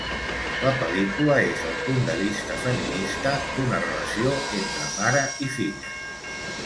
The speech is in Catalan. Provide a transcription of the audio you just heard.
La pel·lícula és el punt de vista feminista d'una relació entre mare i filla.